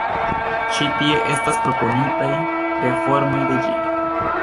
Ĉi tie estas proponitaj reformoj de ĝi.